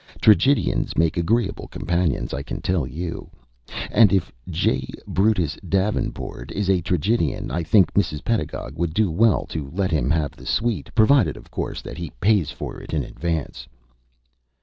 Tragedians make agreeable companions, I can tell you; and if J. Brutus Davenport is a tragedian, I think Mrs. Pedagog would do well to let him have the suite, provided, of course, that he pays for it in advance."